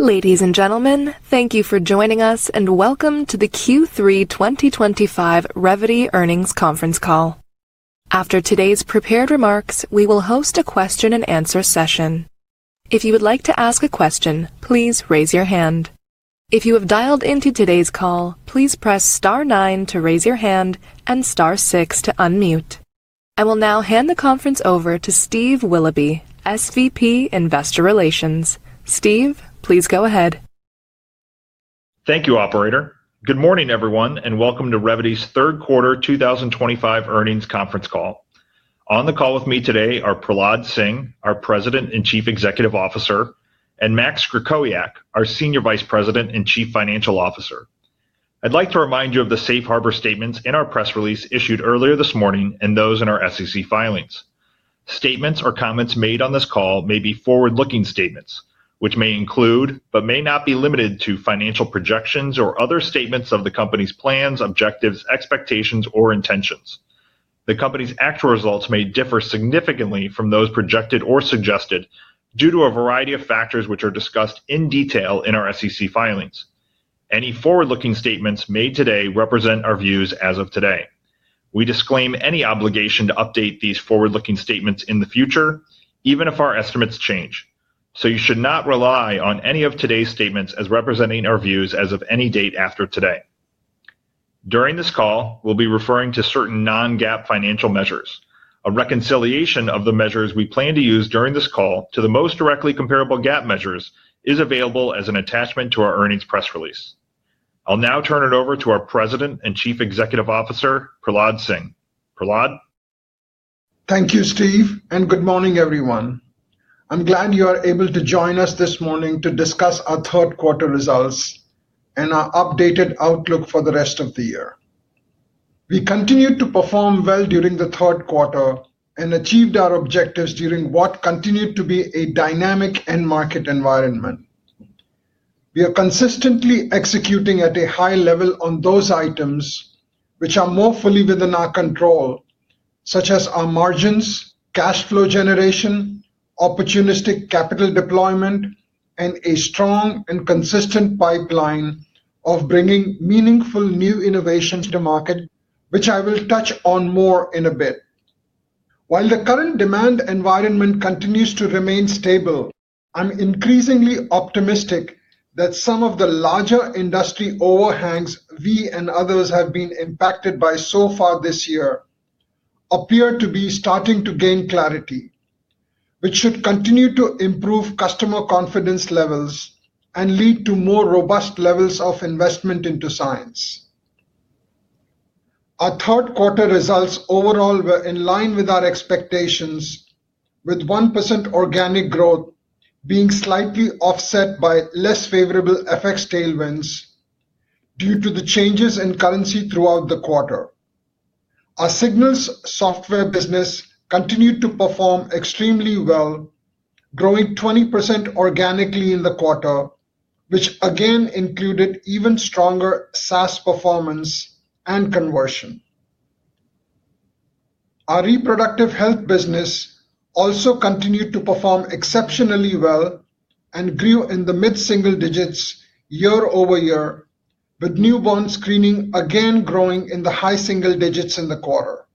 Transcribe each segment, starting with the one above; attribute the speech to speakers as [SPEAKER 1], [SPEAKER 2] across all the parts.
[SPEAKER 1] Ladies and gentlemen, thank you for joining us and welcome to the Q3 2025 Revvity earnings conference call. After today's prepared remarks, we will host a question-and-answer session. If you would like to ask a question, please raise your hand. If you have dialed into today's call, please press star nine to raise your hand and star six to unmute. I will now hand the conference over to Steve Willoughby, Senior Vice President, Investor Relations. Steve, please go ahead.
[SPEAKER 2] Thank you, Operator. Good morning, everyone, and welcome to Revvity's third quarter 2025 earnings conference call. On the call with me today are Prahlad Singh, our President and Chief Executive Officer, and Max Krakowiak, our Senior Vice President and Chief Financial Officer. I'd like to remind you of the safe harbor statements in our press release issued earlier this morning and those in our SEC filings. Statements or comments made on this call may be forward-looking statements, which may include, but may not be limited to, financial projections or other statements of the company's plans, objectives, expectations, or intentions. The company's actual results may differ significantly from those projected or suggested due to a variety of factors, which are discussed in detail in our SEC filings. Any forward-looking statements made today represent our views as of today. We disclaim any obligation to update these forward-looking statements in the future, even if our estimates change. You should not rely on any of today's statements as representing our views as of any date after today. During this call, we'll be referring to certain non-GAAP financial measures. A reconciliation of the measures we plan to use during this call to the most directly comparable GAAP measures is available as an attachment to our earnings press release. I'll now turn it over to our President and Chief Executive Officer, Prahlad Singh. Prahlad?
[SPEAKER 3] Thank you, Steve, and good morning, everyone. I'm glad you are able to join us this morning to discuss our third quarter results and our updated outlook for the rest of the year. We continued to perform well during the third quarter and achieved our objectives during what continued to be a dynamic end-market environment. We are consistently executing at a high level on those items which are more fully within our control, such as our margins, cash flow generation, opportunistic capital deployment, and a strong and consistent pipeline of bringing meaningful new innovations to market, which I will touch on more in a bit. While the current demand environment continues to remain stable, I'm increasingly optimistic that some of the larger industry overhangs we and others have been impacted by so far this year appear to be starting to gain clarity, which should continue to improve customer confidence levels and lead to more robust levels of investment into science. Our third quarter results overall were in line with our expectations, with 1% organic growth being slightly offset by less favorable FX tailwinds due to the changes in currency throughout the quarter. Our Signals software business continued to perform extremely well, growing 20% organically in the quarter, which again included even stronger SaaS performance and conversion. Our reproductive health business also continued to perform exceptionally well and grew in the mid-single digits year-over-year, with newborn screening again growing in the high single digits in the quarter.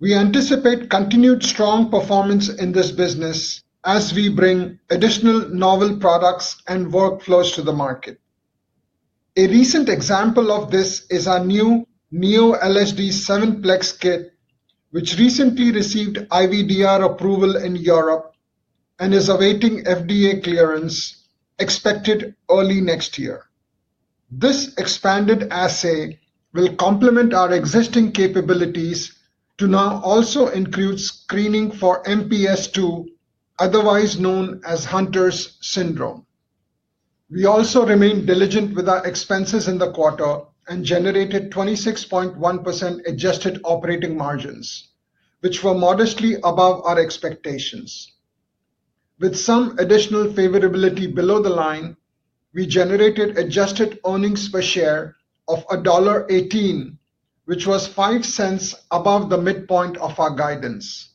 [SPEAKER 3] We anticipate continued strong performance in this business as we bring additional novel products and workflows to the market. A recent example of this is our new NeoLSD 7 Plex kit, which recently received IVDR approval in Europe and is awaiting FDA clearance, expected early next year. This expanded assay will complement our existing capabilities to now also include screening for MPS2, otherwise known as Hunter's syndrome. We also remained diligent with our expenses in the quarter and generated 26.1% adjusted operating margins, which were modestly above our expectations. With some additional favorability below the line, we generated adjusted earnings per share of $1.18, which was $0.05 above the midpoint of our guidance.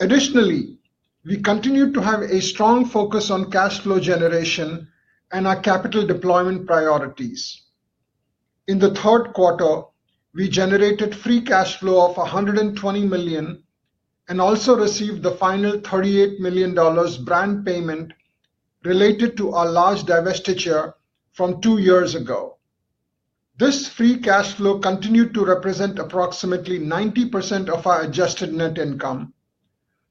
[SPEAKER 3] Additionally, we continue to have a strong focus on cash flow generation and our capital deployment priorities. In the third quarter, we generated free cash flow of $120 million and also received the final $38 million brand payment related to our large divestiture from two years ago. This free cash flow continued to represent approximately 90% of our adjusted net income,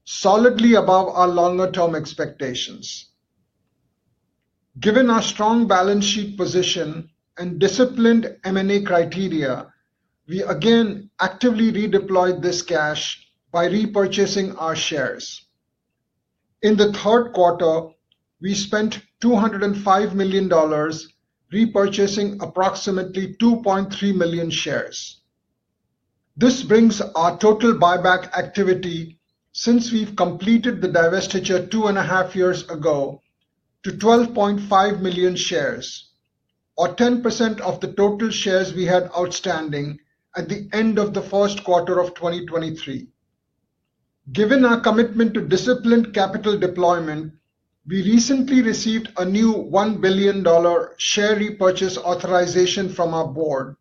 [SPEAKER 3] solidly above our longer-term expectations. Given our strong balance sheet position and disciplined M&A criteria, we again actively redeployed this cash by repurchasing our shares. In the third quarter, we spent $205 million repurchasing approximately 2.3 million shares. This brings our total buyback activity since we've completed the divestiture two and a half years ago to 12.5 million shares, or 10% of the total shares we had outstanding at the end of the first quarter of 2023. Given our commitment to disciplined capital deployment, we recently received a new $1 billion share repurchase authorization from our board,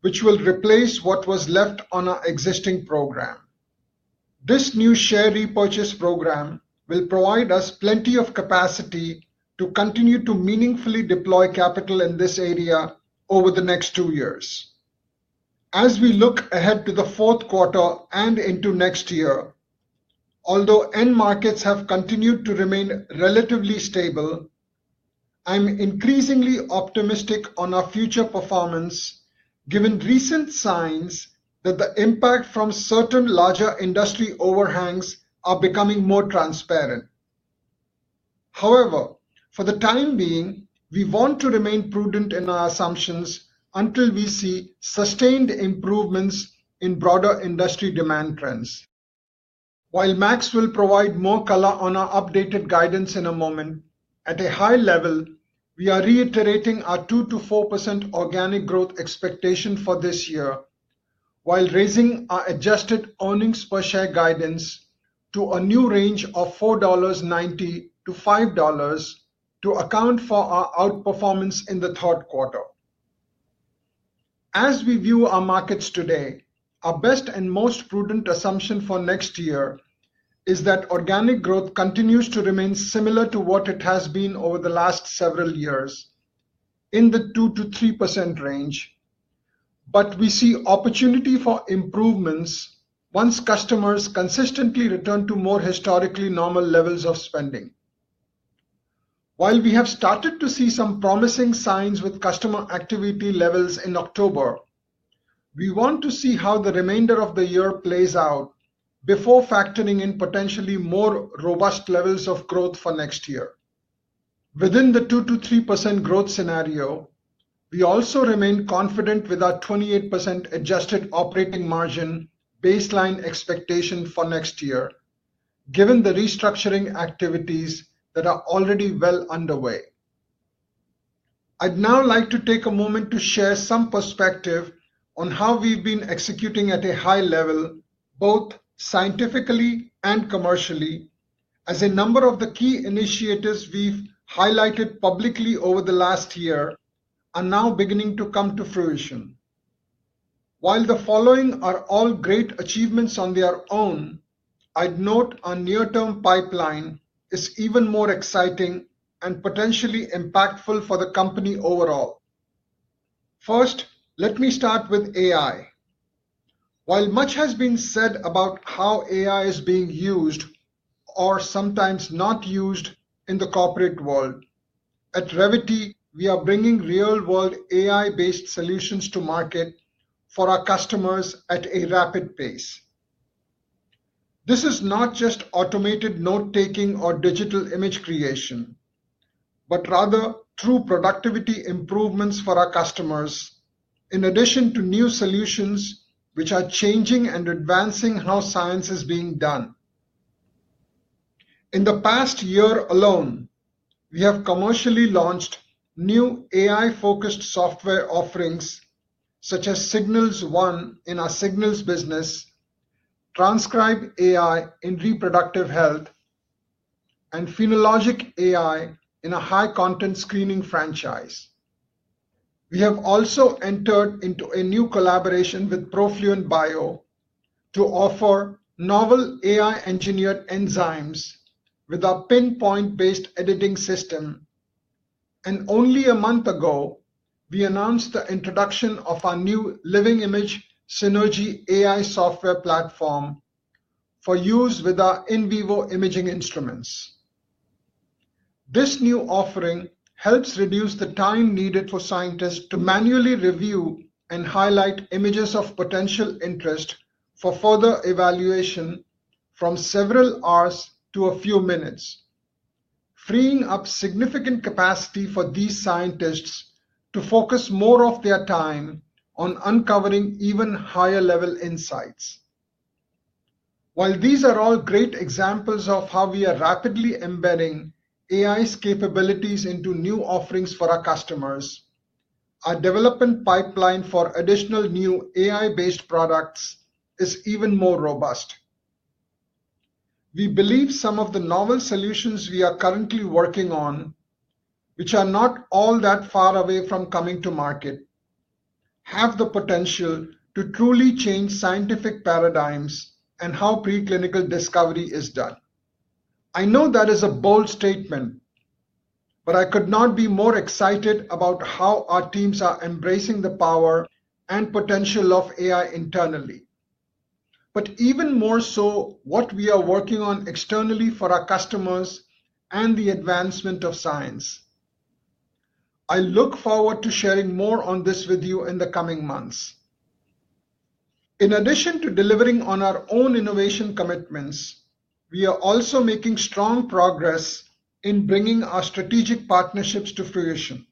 [SPEAKER 3] which will replace what was left on our existing program. This new share repurchase program will provide us plenty of capacity to continue to meaningfully deploy capital in this area over the next two years. As we look ahead to the fourth quarter and into next year, although end markets have continued to remain relatively stable, I'm increasingly optimistic on our future performance given recent signs that the impact from certain larger industry overhangs is becoming more transparent. However, for the time being, we want to remain prudent in our assumptions until we see sustained improvements in broader industry demand trends. While Max will provide more color on our updated guidance in a moment, at a high level, we are reiterating our 2% to 4% organic growth expectation for this year while raising our adjusted earnings per share guidance to a new range of $4.90-$5.00 to account for our outperformance in the third quarter. As we view our markets today, our best and most prudent assumption for next year is that organic growth continues to remain similar to what it has been over the last several years in the 2%-3% range, but we see opportunity for improvements once customers consistently return to more historically normal levels of spending. While we have started to see some promising signs with customer activity levels in October, we want to see how the remainder of the year plays out before factoring in potentially more robust levels of growth for next year. Within the 2%-3% growth scenario, we also remain confident with our 28% adjusted operating margin baseline expectation for next year, given the restructuring activities that are already well underway. I'd now like to take a moment to share some perspective on how we've been executing at a high level, both scientifically and commercially, as a number of the key initiatives we've highlighted publicly over the last year are now beginning to come to fruition. While the following are all great achievements on their own, I'd note our near-term pipeline is even more exciting and potentially impactful for the company overall. First, let me start with AI. While much has been said about how AI is being used or sometimes not used in the corporate world, at Revvity, we are bringing real-world AI-based solutions to market for our customers at a rapid pace. This is not just automated note-taking or digital image creation, but rather true productivity improvements for our customers, in addition to new solutions which are changing and advancing how science is being done. In the past year alone, we have commercially launched new AI-focused software offerings such as Signals One in our Signals business, Transcribe AI in reproductive health, and Phenologic.AI in a high-content screening franchise. We have also entered into a new collaboration with Profluent Bio to offer novel AI-engineered enzymes with our pinpoint-based editing system. Only a month ago, we announced the introduction of our new Living Image Synergy AI software platform for use with our in-vivo imaging instruments. This new offering helps reduce the time needed for scientists to manually review and highlight images of potential interest for further evaluation from several hours to a few minutes, freeing up significant capacity for these scientists to focus more of their time on uncovering even higher-level insights. While these are all great examples of how we are rapidly embedding AI's capabilities into new offerings for our customers, our development pipeline for additional new AI-based products is even more robust. We believe some of the novel solutions we are currently working on, which are not all that far away from coming to market, have the potential to truly change scientific paradigms and how preclinical discovery is done. I know that is a bold statement, but I could not be more excited about how our teams are embracing the power and potential of AI internally, but even more so what we are working on externally for our customers and the advancement of science. I look forward to sharing more on this with you in the coming months. In addition to delivering on our own innovation commitments, we are also making strong progress in bringing our strategic partnerships to fruition.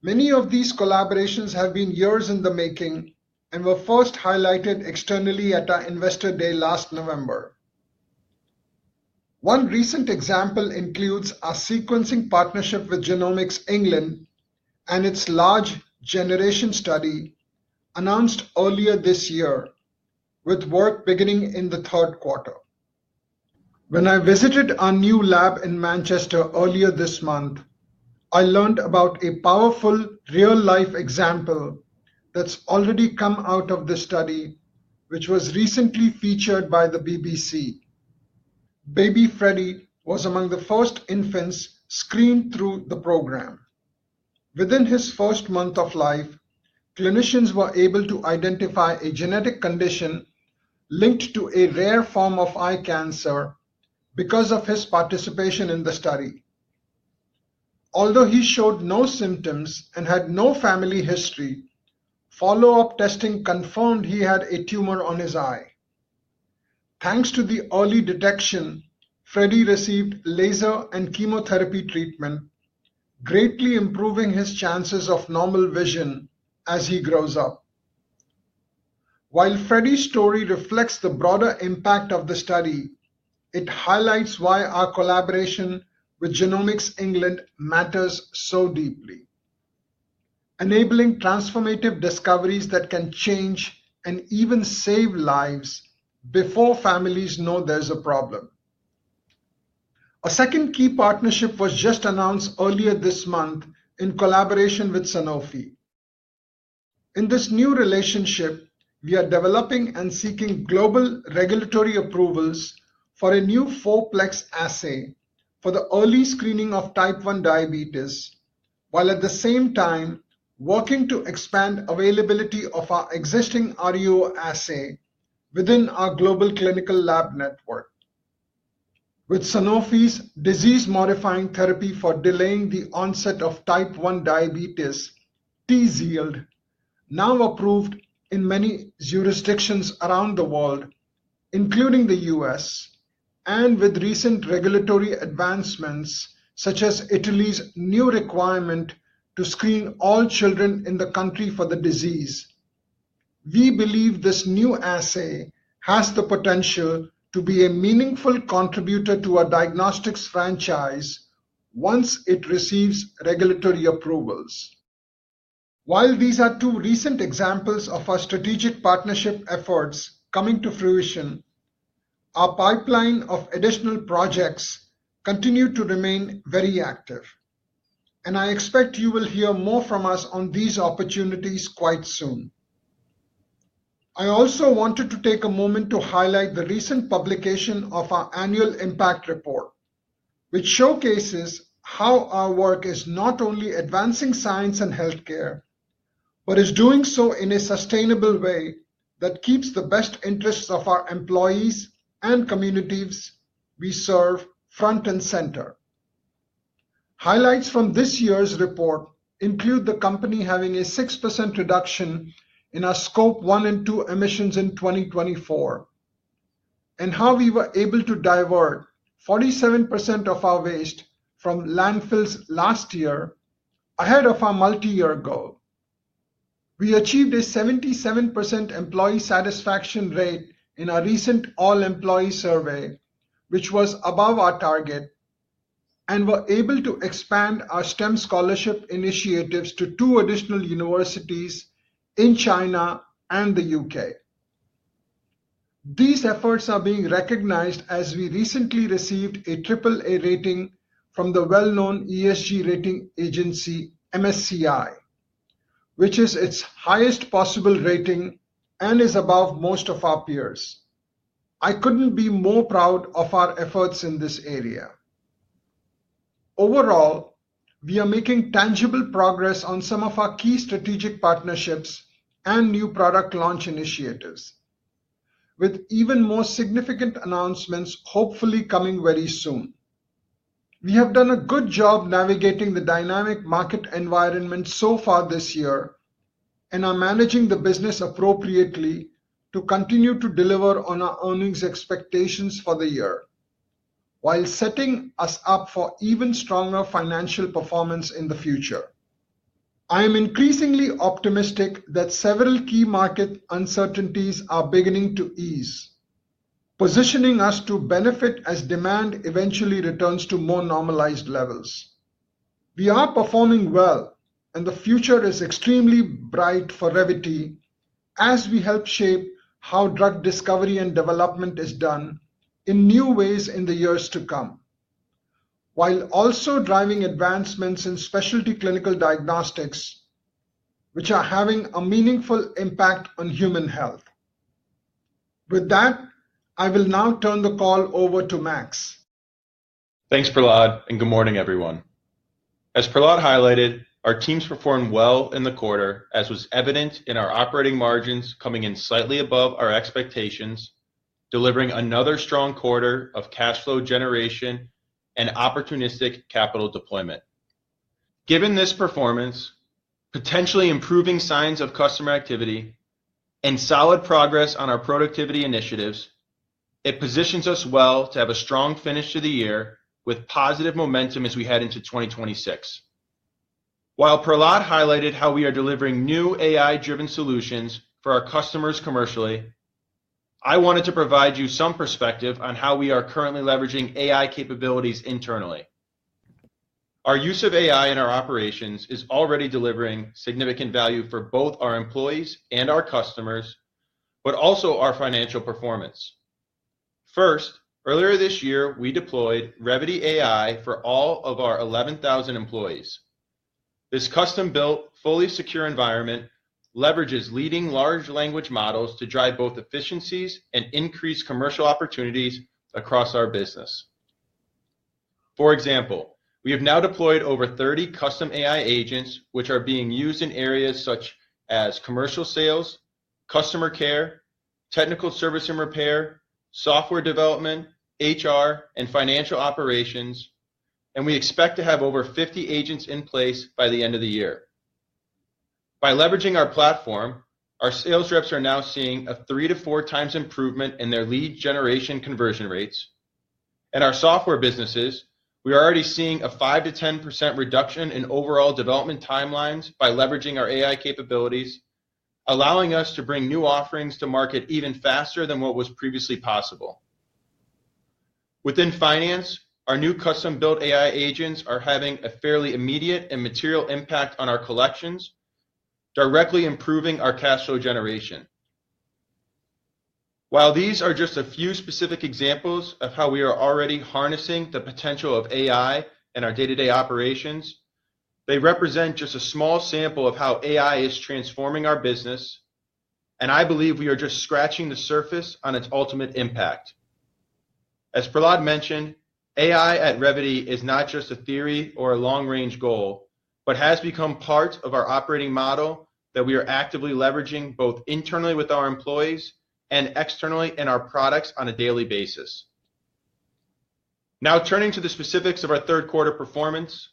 [SPEAKER 3] Many of these collaborations have been years in the making and were first highlighted externally at our Investor Day last November. One recent example includes our sequencing partnership with Genomics England and its large generation study announced earlier this year, with work beginning in the third quarter. When I visited our new lab in Manchester earlier this month, I learned about a powerful real-life example that's already come out of this study, which was recently featured by the BBC. Baby Freddy was among the first infants screened through the program. Within his first month of life, clinicians were able to identify a genetic condition linked to a rare form of eye cancer because of his participation in the study. Although he showed no symptoms and had no family history, follow-up testing confirmed he had a tumor on his eye. Thanks to the early detection, Freddy received laser and chemotherapy treatment, greatly improving his chances of normal vision as he grows up. While Freddy's story reflects the broader impact of the study, it highlights why our collaboration with Genomics England matters so deeply, enabling transformative discoveries that can change and even save lives before families know there's a problem. A second key partnership was just announced earlier this month in collaboration with Sanofi. In this new relationship, we are developing and seeking global regulatory approvals for a new 4-Plex Assay for the early screening of type 1 diabetes, while at the same time working to expand availability of our existing [ARIO] assay within our global clinical lab network. With Sanofi's disease-modifying therapy for delaying the onset of type 1 diabetes, TZIELD, now approved in many jurisdictions around the world, including the U.S., and with recent regulatory advancements such as Italy's new requirement to screen all children in the country for the disease, we believe this new assay has the potential to be a meaningful contributor to our diagnostics franchise once it receives regulatory approvals. While these are two recent examples of our strategic partnership efforts coming to fruition, our pipeline of additional projects continues to remain very active, and I expect you will hear more from us on these opportunities quite soon. I also wanted to take a moment to highlight the recent publication of our annual impact report, which showcases how our work is not only advancing science and health care, but is doing so in a sustainable way that keeps the best interests of our employees and communities we serve front and center. Highlights from this year's report include the company having a 6% reduction in our Scope 1 and 2 emissions in 2024, and how we were able to divert 47% of our waste from landfills last year ahead of our multi-year goal. We achieved a 77% employee satisfaction rate in our recent all-employee survey, which was above our target, and were able to expand our STEM scholarship initiatives to two additional universities in China and the U.K. These efforts are being recognized as we recently received a AAA rating from the well-known ESG rating agency MSCI, which is its highest possible rating and is above most of our peers. I couldn't be more proud of our efforts in this area. Overall, we are making tangible progress on some of our key strategic partnerships and new product launch initiatives, with even more significant announcements hopefully coming very soon. We have done a good job navigating the dynamic market environment so far this year and are managing the business appropriately to continue to deliver on our earnings expectations for the year, while setting us up for even stronger financial performance in the future. I am increasingly optimistic that several key market uncertainties are beginning to ease, positioning us to benefit as demand eventually returns to more normalized levels. We are performing well, and the future is extremely bright for Revvity as we help shape how drug discovery and development is done in new ways in the years to come, while also driving advancements in specialty clinical diagnostics, which are having a meaningful impact on human health. With that, I will now turn the call over to Max.
[SPEAKER 4] Thanks, Prahlad, and good morning, everyone. As Prahlad highlighted, our teams performed well in the quarter, as was evident in our operating margins coming in slightly above our expectations, delivering another strong quarter of cash flow generation and opportunistic capital deployment. Given this performance, potentially improving signs of customer activity, and solid progress on our productivity initiatives, it positions us well to have a strong finish to the year with positive momentum as we head into 2026. While Prahlad highlighted how we are delivering new AI-driven solutions for our customers commercially, I wanted to provide you some perspective on how we are currently leveraging AI capabilities internally. Our use of AI in our operations is already delivering significant value for both our employees and our customers, but also our financial performance. First, earlier this year, we deployed Revvity AI for all of our 11,000 employees. This custom-built, fully secure environment leverages leading large language models to drive both efficiencies and increase commercial opportunities across our business. For example, we have now deployed over 30 custom AI agents, which are being used in areas such as commercial sales, customer care, technical service and repair, software development, HR, and financial operations, and we expect to have over 50 agents in place by the end of the year. By leveraging our platform, our sales reps are now seeing a 3x-4x improvement in their lead generation conversion rates, and in our software businesses, we are already seeing a 5%-10% reduction in overall development timelines by leveraging our AI capabilities, allowing us to bring new offerings to market even faster than what was previously possible. Within finance, our new custom-built AI agents are having a fairly immediate and material impact on our collections, directly improving our cash flow generation. While these are just a few specific examples of how we are already harnessing the potential of AI in our day-to-day operations, they represent just a small sample of how AI is transforming our business, and I believe we are just scratching the surface on its ultimate impact. As Prahlad mentioned, AI at Revvity is not just a theory or a long-range goal, but has become part of our operating model that we are actively leveraging both internally with our employees and externally in our products on a daily basis. Now, turning to the specifics of our third quarter performance,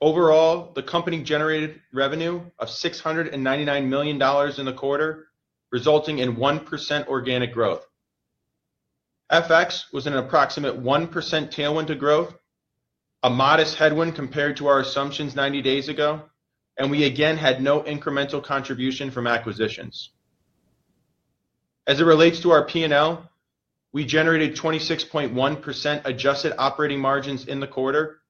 [SPEAKER 4] overall, the company generated revenue of $699 million in the quarter, resulting in 1% organic growth. FX was an approximate 1% tailwind to growth, a modest headwind compared to our assumptions 90 days ago, and we again had no incremental contribution from acquisitions. As it relates to our P&L, we generated 26.1% adjusted operating margins in the quarter,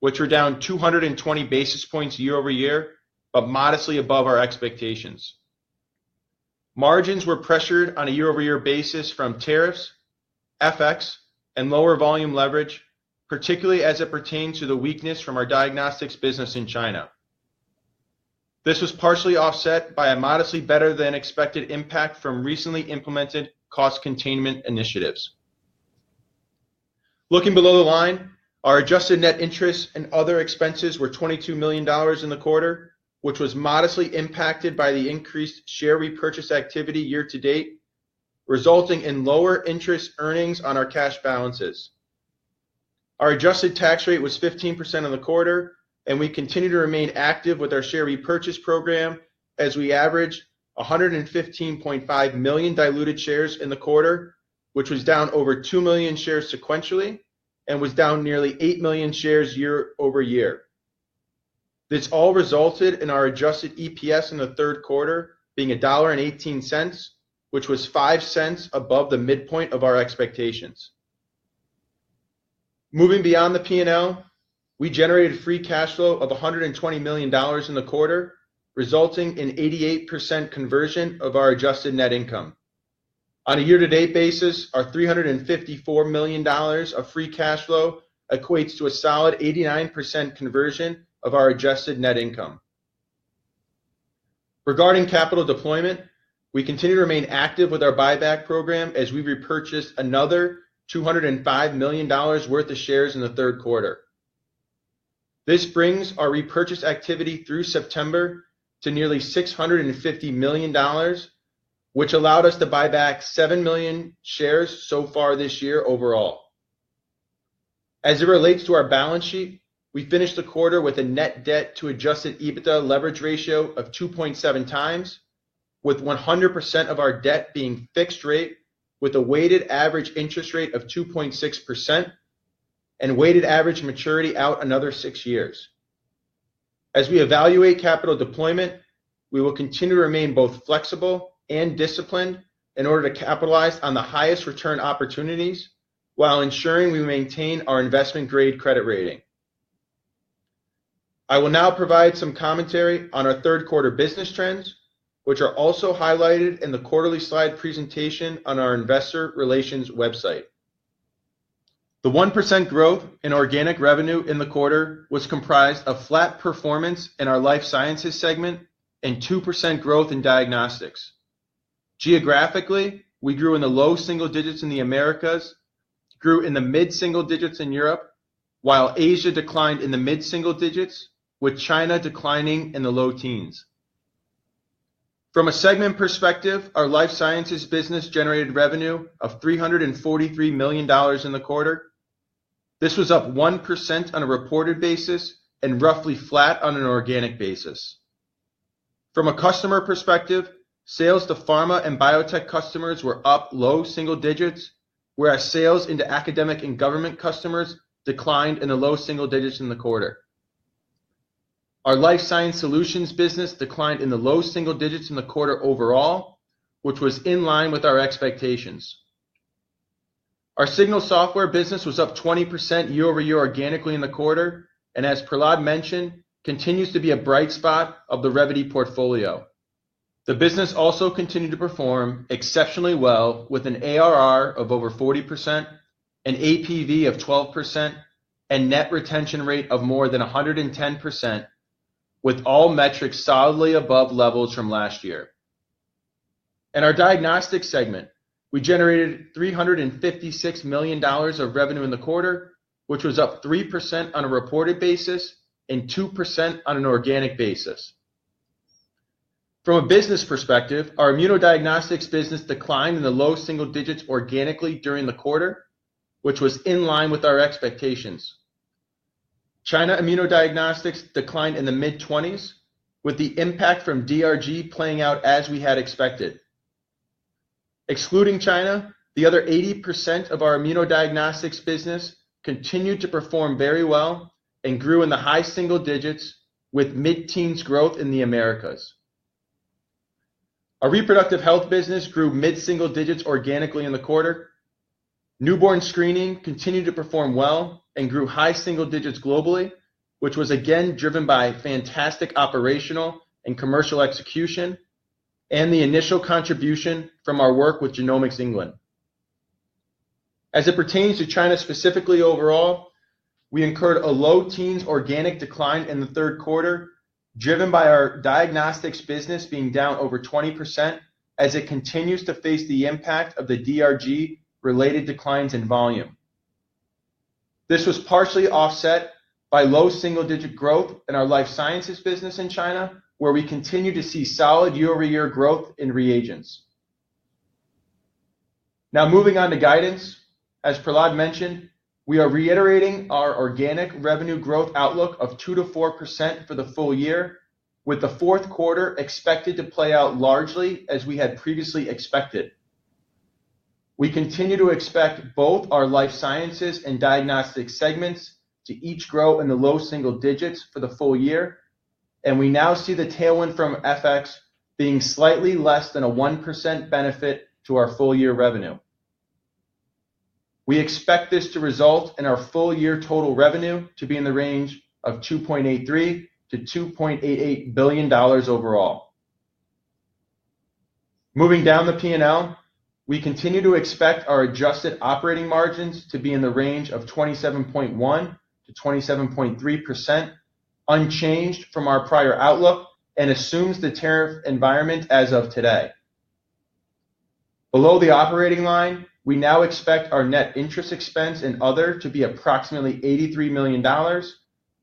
[SPEAKER 4] which were down 220 basis points year-over-year, but modestly above our expectations. Margins were pressured on a year-over-year basis from tariffs, FX, and lower volume leverage, particularly as it pertains to the weakness from our diagnostics business in China. This was partially offset by a modestly better-than-expected impact from recently implemented cost containment initiatives. Looking below the line, our adjusted net interest and other expenses were $22 million in the quarter, which was modestly impacted by the increased share repurchase activity year-to-date, resulting in lower interest earnings on our cash balances. Our adjusted tax rate was 15% in the quarter, and we continue to remain active with our share repurchase program as we average 115.5 million diluted shares in the quarter, which was down over 2 million shares sequentially and was down nearly 8 million shares year-over-year. This all resulted in our adjusted EPS in the third quarter being $1.18, which was $0.05 above the midpoint of our expectations. Moving beyond the P&L, we generated free cash flow of $120 million in the quarter, resulting in 88% conversion of our adjusted net income. On a year-to-date basis, our $354 million of free cash flow equates to a solid 89% conversion of our adjusted net income. Regarding capital deployment, we continue to remain active with our buyback program as we repurchased another $205 million worth of shares in the third quarter. This brings our repurchase activity through September to nearly $650 million, which allowed us to buy back 7 million shares so far this year overall. As it relates to our balance sheet, we finished the quarter with a net debt-to-adjusted EBITDA leverage ratio of 2.7x, with 100% of our debt being fixed rate with a weighted average interest rate of 2.6% and weighted average maturity out another six years. As we evaluate capital deployment, we will continue to remain both flexible and disciplined in order to capitalize on the highest return opportunities while ensuring we maintain our investment-grade credit rating. I will now provide some commentary on our third quarter business trends, which are also highlighted in the quarterly slide presentation on our Investor Relations website. The 1% growth in organic revenue in the quarter was comprised of flat performance in our life sciences segment and 2% growth in diagnostics. Geographically, we grew in the low single digits in the Americas, grew in the mid-single digits in Europe, while Asia declined in the mid-single digits, with China declining in the low teens. From a segment perspective, our life sciences business generated revenue of $343 million in the quarter. This was up 1% on a reported basis and roughly flat on an organic basis. From a customer perspective, sales to pharma and biotech customers were up low single digits, whereas sales into academic and government customers declined in the low single digits in the quarter. Our life science solutions business declined in the low single digits in the quarter overall, which was in line with our expectations. Our Signals software business was up 20% year-over-year organically in the quarter, and as Prahlad mentioned, continues to be a bright spot of the Revvity portfolio. The business also continued to perform exceptionally well, with an ARR of over 40%, an APV of 12%, and net retention rate of more than 110%, with all metrics solidly above levels from last year. In our diagnostics segment, we generated $356 million of revenue in the quarter, which was up 3% on a reported basis and 2% on an organic basis. From a business perspective, our immunodiagnostics business declined in the low single digits organically during the quarter, which was in line with our expectations. China immunodiagnostics declined in the mid-20s, with the impact from DRG playing out as we had expected. Excluding China, the other 80% of our immunodiagnostics business continued to perform very well and grew in the high single digits, with mid-teens growth in the Americas. Our reproductive health business grew mid-single digits organically in the quarter. Newborn screening continued to perform well and grew high single digits globally, which was again driven by fantastic operational and commercial execution and the initial contribution from our work with Genomics England. As it pertains to China specifically overall, we incurred a low teens organic decline in the third quarter, driven by our diagnostics business being down over 20% as it continues to face the impact of the DRG-related declines in volume. This was partially offset by low single digit growth in our life sciences business in China, where we continue to see solid year-over-year growth in reagents. Now, moving on to guidance, as Prahlad mentioned, we are reiterating our organic revenue growth outlook of 2%-4% for the full year, with the fourth quarter expected to play out largely as we had previously expected. We continue to expect both our life sciences and diagnostics segments to each grow in the low single digits for the full year, and we now see the tailwind from FX being slightly less than a 1% benefit to our full-year revenue. We expect this to result in our full-year total revenue to be in the range of $2.83 billion-$2.88 billion overall. Moving down the P&L, we continue to expect our adjusted operating margins to be in the range of 27.1%-27.3%, unchanged from our prior outlook and assumes the tariff environment as of today. Below the operating line, we now expect our net interest expense in other to be approximately $83 million,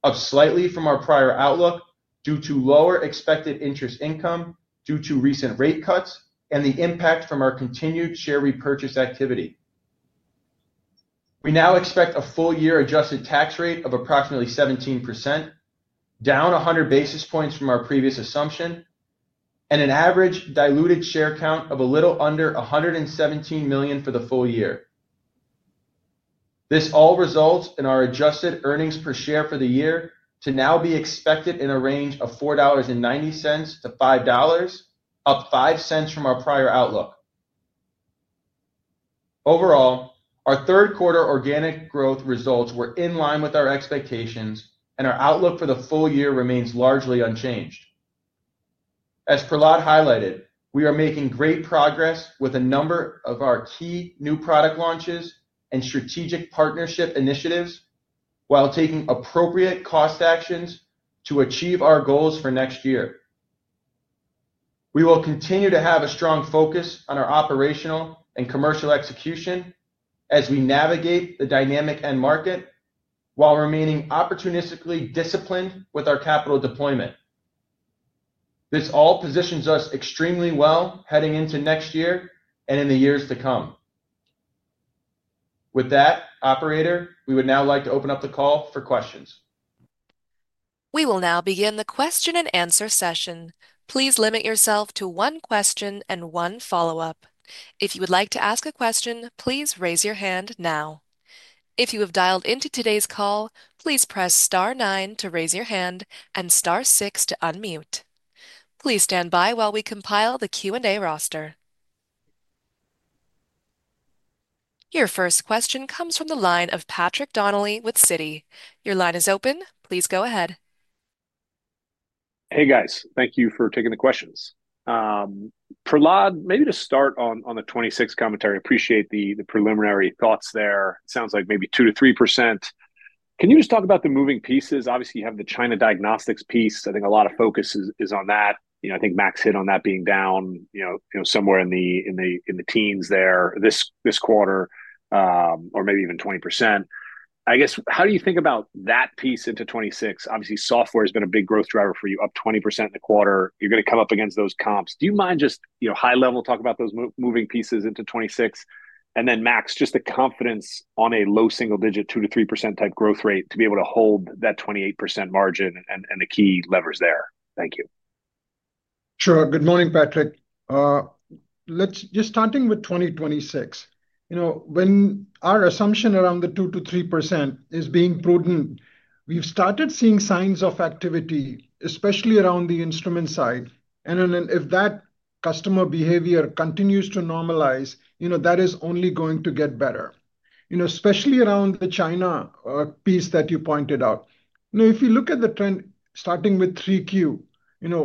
[SPEAKER 4] up slightly from our prior outlook due to lower expected interest income due to recent rate cuts and the impact from our continued share repurchase activity. We now expect a full-year adjusted tax rate of approximately 17%, down 100 basis points from our previous assumption, and an average diluted share count of a little under 117 million for the full year. This all results in our adjusted earnings per share for the year to now be expected in a range of $4.90-$5, up $0.05 from our prior outlook. Overall, our third quarter organic growth results were in line with our expectations, and our outlook for the full year remains largely unchanged. As Prahlad highlighted, we are making great progress with a number of our key new product launches and strategic partnership initiatives while taking appropriate cost actions to achieve our goals for next year. We will continue to have a strong focus on our operational and commercial execution as we navigate the dynamic end market while remaining opportunistically disciplined with our capital deployment. This all positions us extremely well heading into next year and in the years to come. With that, Operator, we would now like to open up the call for questions.
[SPEAKER 1] We will now begin the question-and-answer session. Please limit yourself to one question and one follow-up. If you would like to ask a question, please raise your hand now. If you have dialed into today's call, please press star nine to raise your hand and star six to unmute. Please stand by while we compile the Q&A roster. Your first question comes from the line of Patrick Donnelly with Citi. Your line is open. Please go ahead.
[SPEAKER 5] Hey, guys. Thank you for taking the questions. Prahlad, maybe to start on the 2026 commentary, I appreciate the preliminary thoughts there. It sounds like maybe 2%-3%. Can you just talk about the moving pieces? Obviously, you have the China diagnostics piece. I think a lot of focus is on that. I think Max hit on that being down somewhere in the teens there this quarter, or maybe even 20%. I guess, how do you think about that piece into 2026? Obviously, software has been a big growth driver for you, up 20% in the quarter. You're going to come up against those comps. Do you mind just high level talking about those moving pieces into 2026? Max, just the confidence on a low single digit, 2%-3% type growth rate to be able to hold that 28% margin and the key levers there. Thank you.
[SPEAKER 3] Sure. Good morning, Patrick. Starting with 2026, our assumption around the 2%-3% is being prudent. We've started seeing signs of activity, especially around the instrument side. If that customer behavior continues to normalize, that is only going to get better, especially around the China piece that you pointed out. If you look at the trend starting with 3Q,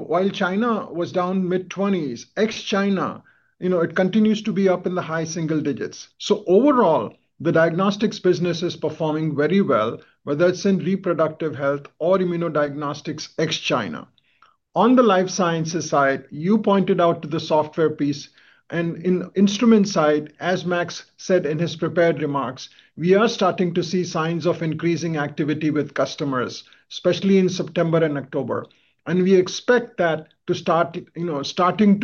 [SPEAKER 3] while China was down mid-20%, ex-China continues to be up in the high single digits. Overall, the diagnostics business is performing very well, whether it's in reproductive health or immunodiagnostics ex-China. On the life sciences side, you pointed out the software piece. In the instrument side, as Max said in his prepared remarks, we are starting to see signs of increasing activity with customers, especially in September and October. We expect that to start resulting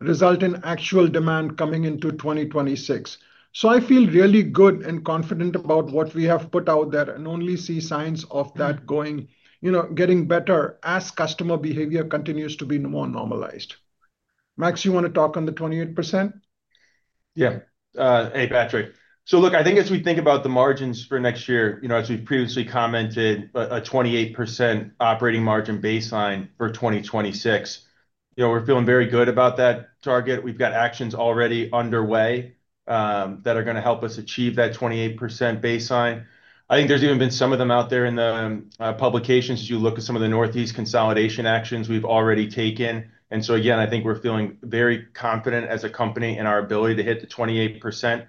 [SPEAKER 3] in actual demand coming into 2026. I feel really good and confident about what we have put out there and only see signs of that getting better as customer behavior continues to be more normalized. Max, you want to talk on the 28%?
[SPEAKER 4] Yeah. Hey, Patrick. As we think about the margins for next year, as we've previously commented, a 28% operating margin baseline for 2026, we're feeling very good about that target. We've got actions already underway that are going to help us achieve that 28% baseline. I think there's even been some of them out there in the publications as you look at some of the Northeast consolidation actions we've already taken. Again, we're feeling very confident as a company in our ability to hit the 28%.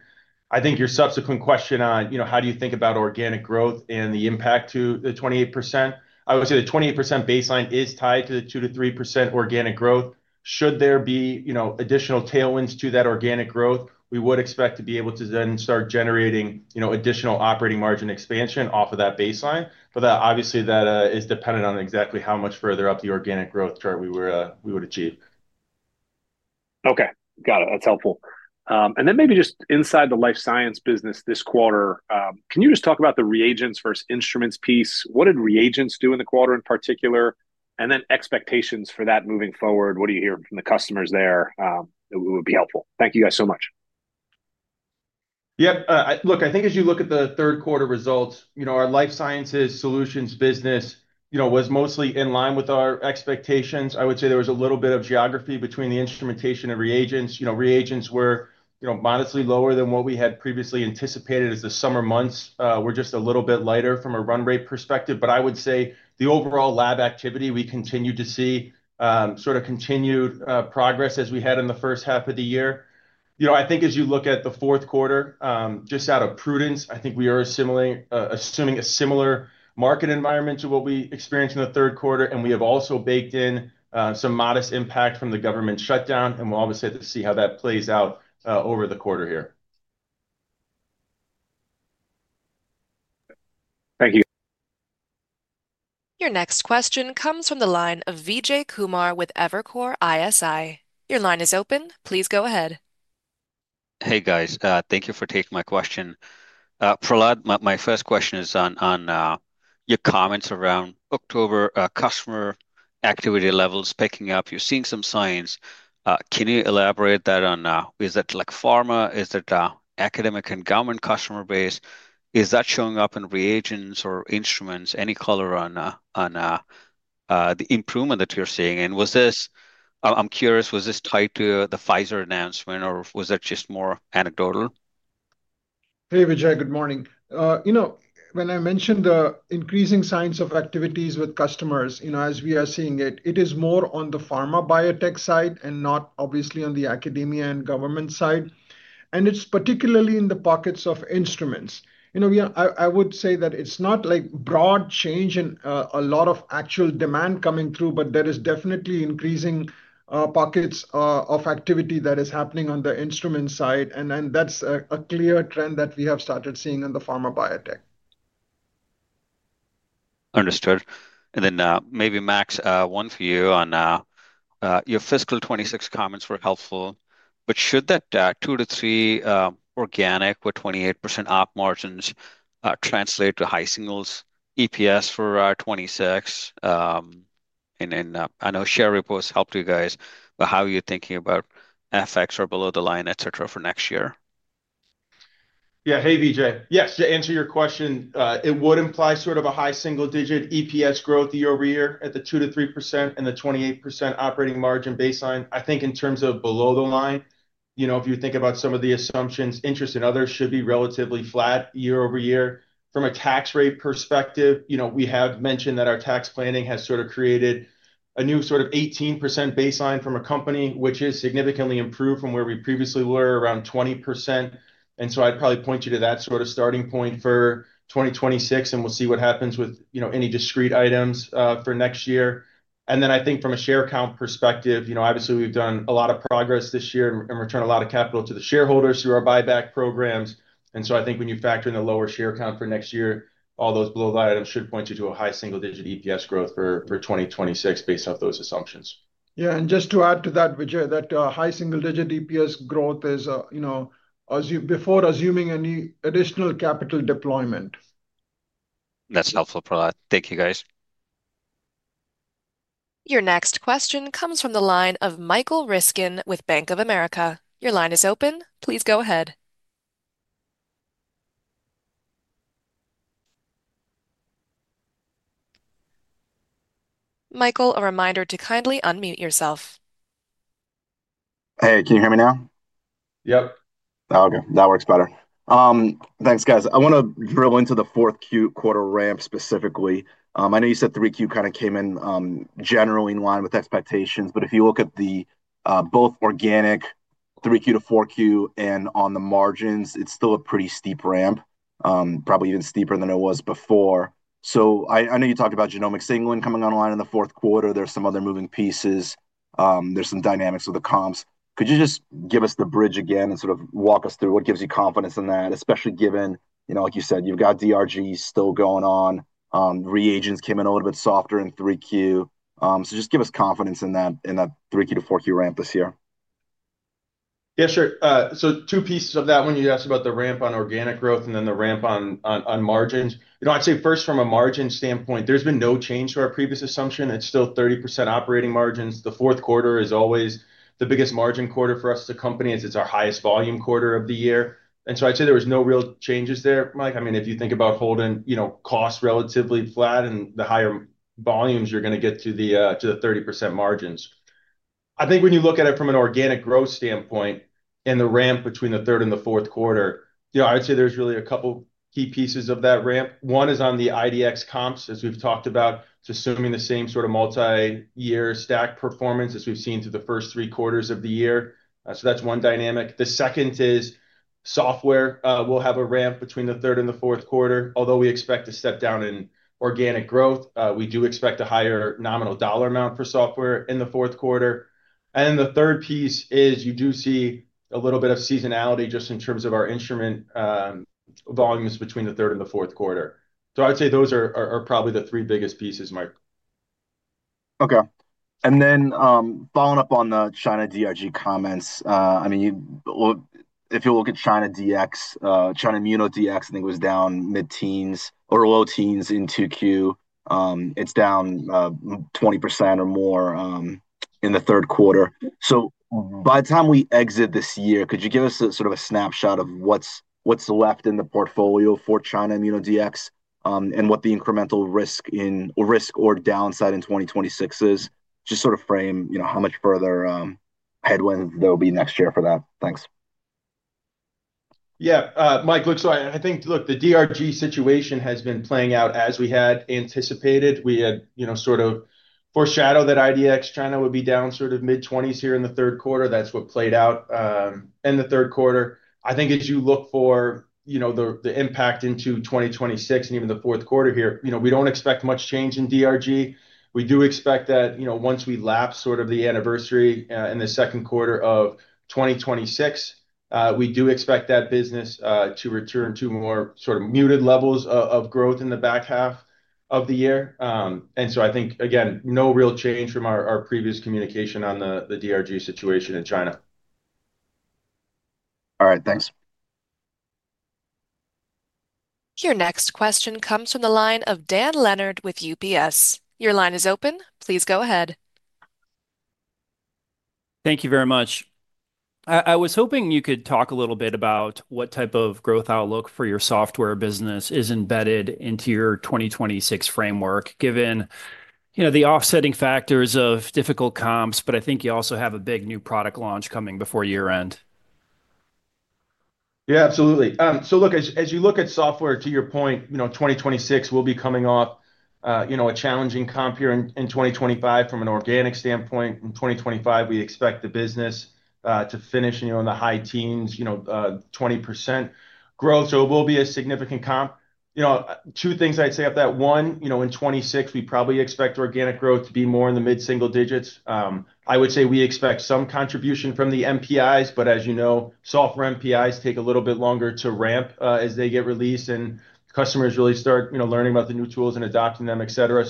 [SPEAKER 4] I think your subsequent question on how do you think about organic growth and the impact to the 28%, I would say the 28% baseline is tied to the 2%-3% organic growth. Should there be additional tailwinds to that organic growth, we would expect to be able to then start generating additional operating margin expansion off of that baseline. Obviously, that is dependent on exactly how much further up the organic growth chart we would achieve.
[SPEAKER 5] OK, got it. That's helpful. Maybe just inside the life science business this quarter, can you talk about the reagents versus instruments piece? What did reagents do in the quarter in particular? Expectations for that moving forward, what do you hear from the customers there? It would be helpful. Thank you guys so much.
[SPEAKER 4] Yep. Look, I think as you look at the third quarter results, our life sciences solutions business was mostly in line with our expectations. I would say there was a little bit of geography between the instrumentation and reagents. Reagents were modestly lower than what we had previously anticipated as the summer months were just a little bit lighter from a run rate perspective. I would say the overall lab activity, we continued to see sort of continued progress as we had in the first half of the year. I think as you look at the fourth quarter, just out of prudence, I think we are assuming a similar market environment to what we experienced in the third quarter. We have also baked in some modest impact from the government shutdown. We'll obviously have to see how that plays out over the quarter here.
[SPEAKER 5] Thank you.
[SPEAKER 1] Your next question comes from the line of Vijay Kumar with Evercore ISI. Your line is open. Please go ahead.
[SPEAKER 6] Hey, guys. Thank you for taking my question. Prahlad, my first question is on your comments around October customer activity levels picking up. You're seeing some signs. Can you elaborate that on, is it like pharma? Is it academic and government customer base? Is that showing up in reagents or instruments? Any color on the improvement that you're seeing? Was this, I'm curious, was this tied to the Pfizer announcement, or was that just more anecdotal?
[SPEAKER 3] Hey, Vijay. Good morning. When I mentioned the increasing signs of activities with customers, as we are seeing it, it is more on the pharma biotech side and not obviously on the academia and government side. It's particularly in the pockets of instruments. I would say that it's not like broad change and a lot of actual demand coming through, but there is definitely increasing pockets of activity that is happening on the instrument side. That's a clear trend that we have started seeing in the pharma biotech.
[SPEAKER 6] Understood. Maybe Max, one for you on your fiscal 2026 comments were helpful. Should that 2%-3% organic with 28% operating margins translate to high single digits EPS for 2026? I know share repurchases helped you guys, but how are you thinking about FX or below the line, etc., for next year?
[SPEAKER 4] Yeah. Hey, Vijay. Yes, to answer your question, it would imply sort of a high single digit EPS growth year-over-year at the 2%-3% and the 28% operating margin baseline. I think in terms of below the line, if you think about some of the assumptions, interest and others should be relatively flat year-over-year. From a tax rate perspective, we have mentioned that our tax planning has sort of created a new sort of 18% baseline from a company, which is significantly improved from where we previously were around 20%. I'd probably point you to that sort of starting point for 2026. We'll see what happens with any discrete items for next year. I think from a share count perspective, obviously we've done a lot of progress this year and returned a lot of capital to the shareholders through our buyback programs. I think when you factor in the lower share count for next year, all those below the line items should point you to a high single digit EPS growth for 2026 based off those assumptions.
[SPEAKER 3] Yeah. Just to add to that, Vijay, that high single digit EPS growth is, you know, as you said before, assuming any additional capital deployment.
[SPEAKER 6] That's helpful, Prahlad. Thank you, guys.
[SPEAKER 1] Your next question comes from the line of Michael Ryskin with Bank of America. Your line is open. Please go ahead. Michael, a reminder to kindly unmute yourself.
[SPEAKER 7] Hey, can you hear me now?
[SPEAKER 2] Yep.
[SPEAKER 7] OK, that works better. Thanks, guys. I want to drill into the fourth quarter ramp specifically. I know you said 3Q kind of came in generally in line with expectations. If you look at both organic 3Q to 4Q and on the margins, it's still a pretty steep ramp, probably even steeper than it was before. I know you talked about Genomics England coming online in the fourth quarter. There are some other moving pieces. There are some dynamics with the comps. Could you just give us the bridge again and sort of walk us through what gives you confidence in that, especially given, you know, like you said, you've got DRG still going on. Reagents came in a little bit softer in 3Q. Just give us confidence in that 3Q to 4Q ramp this year.
[SPEAKER 4] Yeah, sure. Two pieces of that. When you asked about the ramp on organic growth and then the ramp on margins, I'd say first from a margin standpoint, there's been no change to our previous assumption. It's still 30% operating margins. The fourth quarter is always the biggest margin quarter for us as a company as it's our highest volume quarter of the year. I'd say there were no real changes there, Mike. If you think about holding costs relatively flat and the higher volumes, you're going to get to the 30% margins. I think when you look at it from an organic growth standpoint and the ramp between the third and the fourth quarter, I'd say there's really a couple key pieces of that ramp. One is on the IDX comps, as we've talked about, just assuming the same sort of multi-year stack performance as we've seen through the first three quarters of the year. That's one dynamic. The second is software. We'll have a ramp between the third and the fourth quarter. Although we expect a step down in organic growth, we do expect a higher nominal dollar amount for software in the fourth quarter. The third piece is you do see a little bit of seasonality just in terms of our instrument volumes between the third and the fourth quarter. I'd say those are probably the three biggest pieces, Mike.
[SPEAKER 7] OK. Following up on the China DRG comments, if you look at China DX, [China ImmunoDX], I think it was down mid-teens or low teens in 2Q. It's down 20% or more in the third quarter. By the time we exit this year, could you give us a sort of snapshot of what's left in the portfolio for [ChinaImmunoDX] and what the incremental risk or downside in 2026 is? Just sort of frame how much further headwind there will be next year for that. Thanks.
[SPEAKER 2] Yeah, Mike. Look, I think the DRG situation has been playing out as we had anticipated. We had sort of foreshadowed that IDX China would be down sort of mid-20s% here in the third quarter. That's what played out in the third quarter. I think as you look for the impact into 2026 and even the fourth quarter here, you know we don't expect much change in DRG. We do expect that once we lapse sort of the anniversary in the second quarter of 2026, we do expect that business to return to more sort of muted levels of growth in the back half of the year. I think, again, no real change from our previous communication on the DRG situation in China.
[SPEAKER 7] All right, thanks.
[SPEAKER 1] Your next question comes from the line of Dan Leonard with UBS. Your line is open. Please go ahead.
[SPEAKER 8] Thank you very much. I was hoping you could talk a little bit about what type of growth outlook for your software business is embedded into your 2026 framework, given the offsetting factors of difficult comps. I think you also have a big new product launch coming before year end.
[SPEAKER 4] Yeah, absolutely. As you look at software, to your point, 2026 will be coming off a challenging comp here in 2025 from an organic standpoint. In 2025, we expect the business to finish in the high teens, 20% growth. It will be a significant comp. Two things I'd say off that. One, in 2026, we probably expect organic growth to be more in the mid-single digits. I would say we expect some contribution from the MPIs. As you know, software MPIs take a little bit longer to ramp as they get released and customers really start learning about the new tools and adopting them, etc.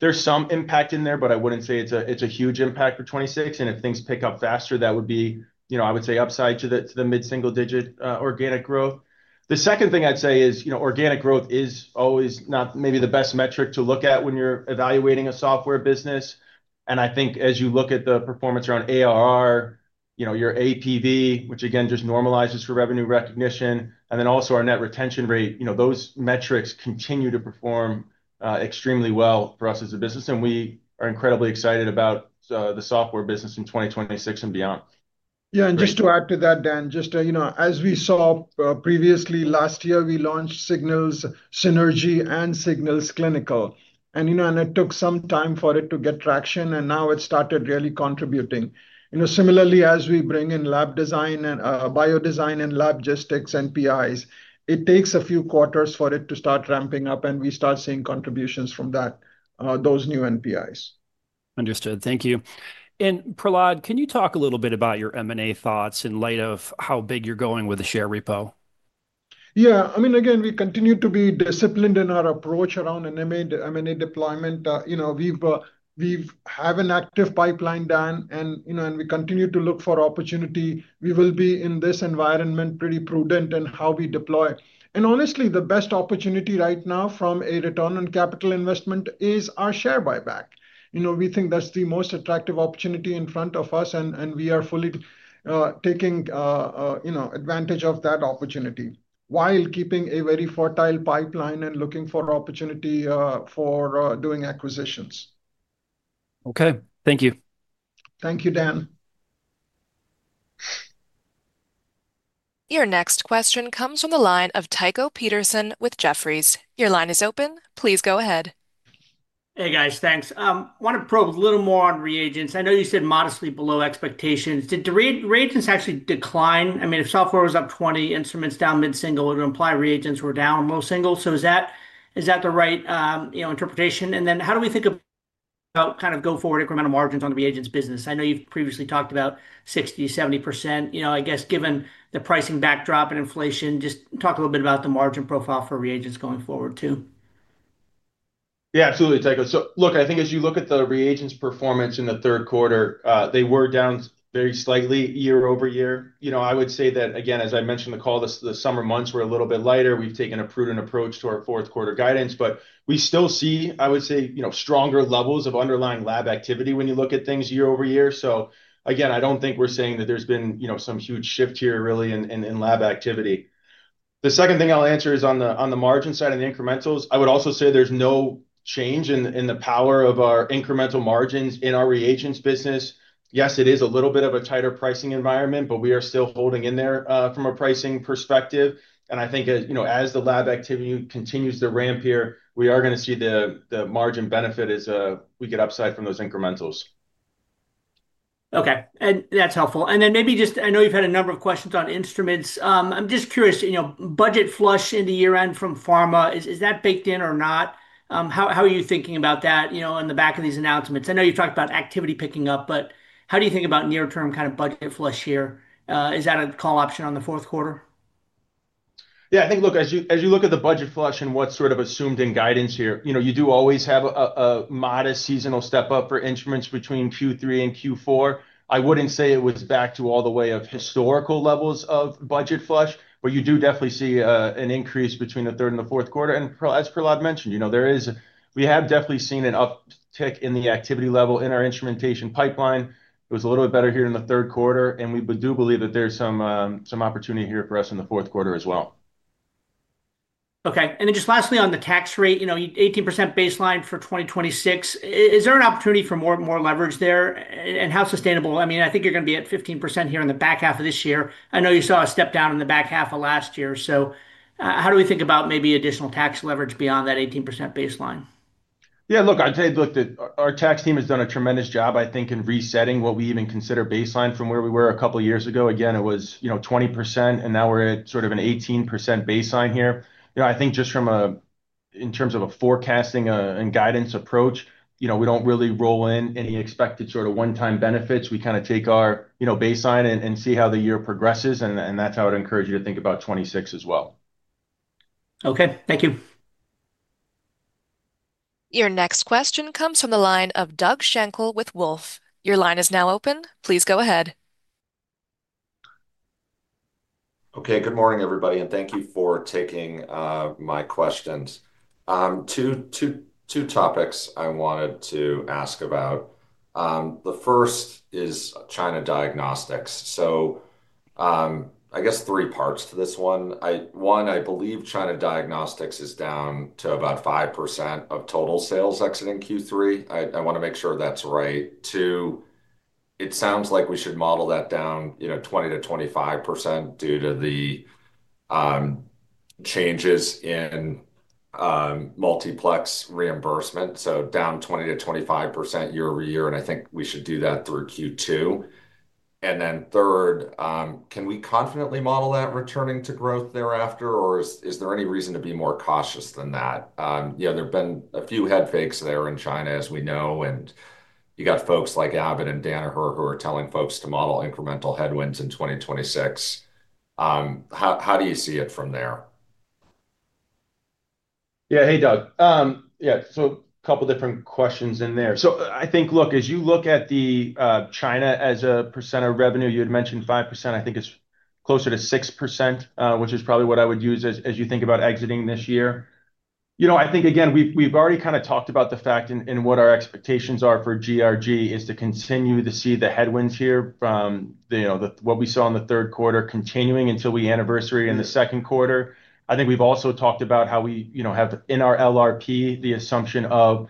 [SPEAKER 4] There's some impact in there, but I wouldn't say it's a huge impact for 2026. If things pick up faster, that would be, I would say, upside to the mid-single digit organic growth. The second thing I'd say is organic growth is always not maybe the best metric to look at when you're evaluating a software business. I think as you look at the performance around ARR, your APV, which again just normalizes for revenue recognition, and then also our net retention rate, those metrics continue to perform extremely well for us as a business. We are incredibly excited about the software business in 2026 and beyond.
[SPEAKER 3] Yeah, just to add to that, Dan, as we saw previously last year, we launched Signals Synergy and Signals Clinical. It took some time for it to get traction, and now it started really contributing. Similarly, as we bring in lab design and biodesign and lab logistics MPIs, it takes a few quarters for it to start ramping up, and we start seeing contributions from those new MPIs.
[SPEAKER 8] Understood. Thank you. Prahlad, can you talk a little bit about your M&A thoughts in light of how big you're going with the share repurchases?
[SPEAKER 3] Yeah. I mean, again, we continue to be disciplined in our approach around M&A deployment. We have an active pipeline, Dan, and we continue to look for opportunity. We will be in this environment pretty prudent in how we deploy. Honestly, the best opportunity right now from a return on capital investment is our share buyback. You know we think that's the most attractive opportunity in front of us. We are fully taking advantage of that opportunity while keeping a very fertile pipeline and looking for opportunity for doing acquisitions.
[SPEAKER 8] OK, thank you.
[SPEAKER 3] Thank you, Dan.
[SPEAKER 1] Your next question comes from the line of Tycho Peterson with Jefferies. Your line is open. Please go ahead.
[SPEAKER 3] Hey, guys. Thanks. I want to probe a little more on reagents. I know you said modestly below expectations. Did the reagents actually decline? I mean, if software was up 20%, instruments down mid-single, it would imply reagents were down low single. Is that the right interpretation? How do we think about kind of go forward incremental margins on the reagents business? I know you've previously talked about 60%, 70%. I guess given the pricing backdrop and inflation, just talk a little bit about the margin profile for reagents going forward too.
[SPEAKER 2] Yeah, absolutely, Tycho. Look, I think as you look at the reagents performance in the third quarter, they were down very slightly year-over-year. I would say that, again, as I mentioned in the call, the summer months were a little bit lighter. We've taken a prudent approach to our fourth quarter guidance. We still see, I would say, stronger levels of underlying lab activity when you look at things year-over-year. I don't think we're saying that there's been some huge shift here really in lab activity. The second thing I'll answer is on the margin side and the incrementals. I would also say there's no change in the power of our incremental margins in our reagents business. Yes, it is a little bit of a tighter pricing environment, but we are still holding in there from a pricing perspective. I think as the lab activity continues to ramp here, we are going to see the margin benefit as we get upside from those incrementals.
[SPEAKER 9] OK. That's helpful. Maybe just, I know you've had a number of questions on instruments. I'm just curious, you know, budget flush into year end from pharma, is that baked in or not? How are you thinking about that on the back of these announcements? I know you talked about activity picking up, but how do you think about near-term kind of budget flush here? Is that a call option on the fourth quarter?
[SPEAKER 4] Yeah, I think, look, as you look at the budget flush and what's sort of assumed in guidance here, you do always have a modest seasonal step up for instruments between Q3 and Q4. I wouldn't say it was back to all the way of historical levels of budget flush, but you do definitely see an increase between the third and the fourth quarter. As Prahlad mentioned, you know we have definitely seen an uptick in the activity level in our instrumentation pipeline. It was a little bit better here in the third quarter, and we do believe that there's some opportunity here for us in the fourth quarter as well.
[SPEAKER 9] OK. Lastly, on the tax rate, you know 18% baseline for 2026. Is there an opportunity for more leverage there? How sustainable is it? I mean, I think you're going to be at 15% here in the back half of this year. I know you saw a step down in the back half of last year. How do we think about maybe additional tax leverage beyond that 18% baseline?
[SPEAKER 4] Yeah, I'd say our tax team has done a tremendous job, I think, in resetting what we even consider baseline from where we were a couple of years ago. It was 20%, and now we're at sort of an 18% baseline here. I think just in terms of a forecasting and guidance approach, we don't really roll in any expected sort of one-time benefits. We kind of take our baseline and see how the year progresses. That's how I'd encourage you to think about 2026 as well.
[SPEAKER 9] OK, thank you.
[SPEAKER 1] Your next question comes from the line of Doug Schenkel with Wolfe. Your line is now open. Please go ahead.
[SPEAKER 10] OK. Good morning, everybody. Thank you for taking my questions. Two topics I wanted to ask about. The first is China diagnostics. I guess three parts to this one. One, I believe China diagnostics is down to about 5% of total sales exiting Q3. I want to make sure that's right. Two, it sounds like we should model that down 20%-25% due to the changes in multiplex reimbursement. Down 20%-25% year-over-year. I think we should do that through Q2. Third, can we confidently model that returning to growth thereafter? Is there any reason to be more cautious than that? There have been a few head fakes there in China, as we know. You've got folks like Abbott and Danaher who are telling folks to model incremental headwinds in 2026. How do you see it from there?
[SPEAKER 4] Yeah. Hey, Doug. Yeah, a couple of different questions in there. I think, look, as you look at China as a percent of revenue, you had mentioned 5%. I think it's closer to 6%, which is probably what I would use as you think about exiting this year. I think, again, we've already talked about the fact and what our expectations are for DRG is to continue to see the headwinds here from what we saw in the third quarter continuing until the anniversary in the second quarter. We've also talked about how we have in our LRP the assumption of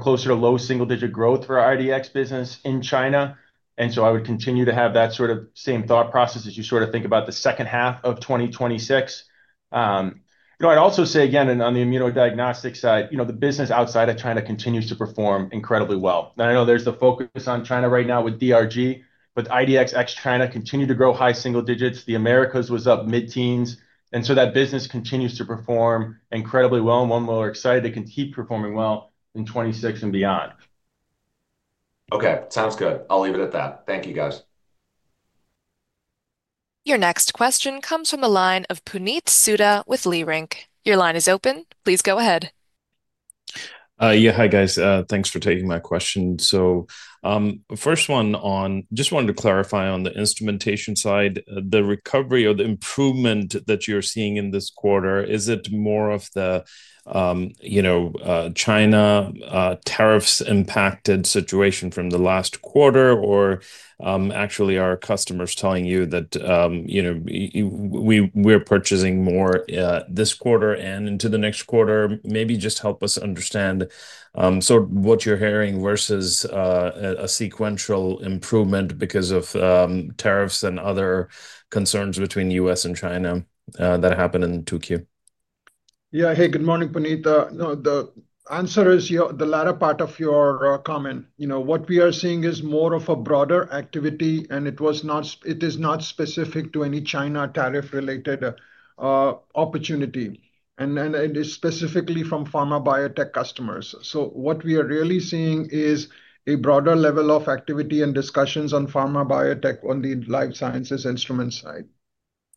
[SPEAKER 4] closer to low single digit growth for our immunodiagnostics business in China. I would continue to have that sort of same thought process as you think about the second half of 2026. I'd also say, again, on the immunodiagnostics side, the business outside of China continues to perform incredibly well. I know there's the focus on China right now with DRG, but IDX China continued to grow high single digits. The Americas was up mid-teens, and that business continues to perform incredibly well. One way we're excited it can keep performing well in 2026 and beyond.
[SPEAKER 10] OK, sounds good. I'll leave it at that. Thank you, guys.
[SPEAKER 1] Your next question comes from the line of Puneet Souda with Leerink. Your line is open. Please go ahead.
[SPEAKER 11] Hi, guys. Thanks for taking my question. First, on the instrumentation side, the recovery or the improvement that you're seeing in this quarter, is it more of the China tariffs-impacted situation from the last quarter? Are customers telling you that we're purchasing more this quarter and into the next quarter? Maybe just help us understand what you're hearing versus a sequential improvement because of tariffs and other concerns between the U.S. and China that happened in Q2.
[SPEAKER 3] Yeah. Hey, good morning, Puneet. The answer is the latter part of your comment. What we are seeing is more of a broader activity. It is not specific to any China tariff-related opportunity. It is specifically from pharma biotech customers. What we are really seeing is a broader level of activity and discussions on pharma biotech on the life sciences instrument side.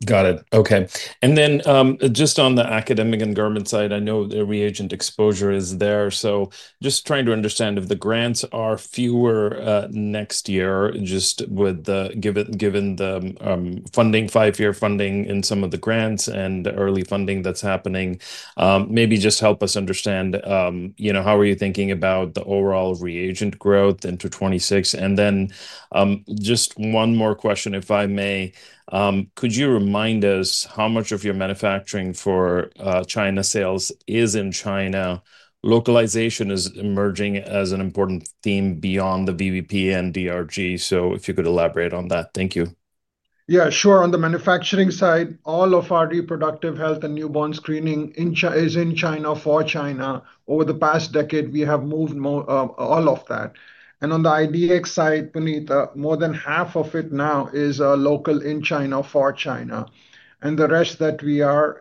[SPEAKER 11] Got it. Okay. On the academic and government side, I know the reagent exposure is there. Just trying to understand if the grants are fewer next year, given the five-year funding in some of the grants and early funding that's happening. Maybe just help us understand how you are thinking about the overall reagent growth into 2026. One more question, if I may. Could you remind us how much of your manufacturing for China sales is in China? Localization is emerging as an important theme beyond the VVP and DRG. If you could elaborate on that. Thank you.
[SPEAKER 3] Yeah, sure. On the manufacturing side, all of our reproductive health and newborn screening is in China for China. Over the past decade, we have moved all of that. On the IDX side, Puneet, more than half of it now is local in China for China. The rest that we are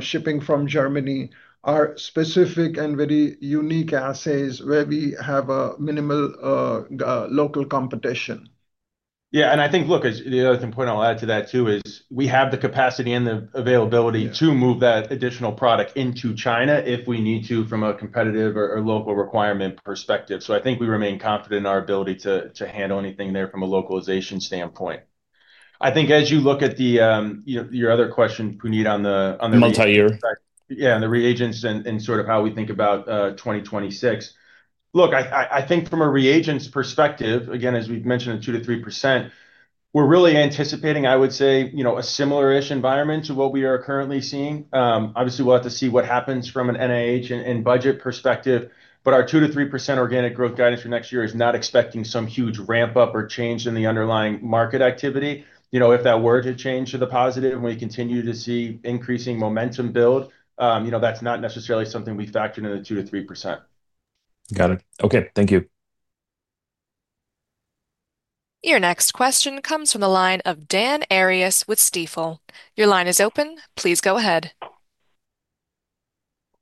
[SPEAKER 3] shipping from Germany are specific and very unique assays where we have minimal local competition.
[SPEAKER 4] Yeah. I think, look, the other point I'll add to that too is we have the capacity and the availability to move that additional product into China if we need to from a competitive or local requirement perspective. I think we remain confident in our ability to handle anything there from a localization standpoint. As you look at your other question, Puneet, on the.
[SPEAKER 11] Multi-year.
[SPEAKER 2] Yeah, and the reagents and sort of how we think about 2026. Look, I think from a reagents perspective, again, as we've mentioned, a 2%-3%, we're really anticipating, I would say, a similar-ish environment to what we are currently seeing. Obviously, we'll have to see what happens from an NIH and budget perspective. Our 2%-3% organic growth guidance for next year is not expecting some huge ramp-up or change in the underlying market activity. If that were to change to the positive and we continue to see increasing momentum build, that's not necessarily something we factored in the 2%-3%.
[SPEAKER 11] Got it. Oay. Thank you.
[SPEAKER 1] Your next question comes from the line of Dan Arias with Stifel. Your line is open. Please go ahead.